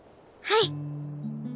はい。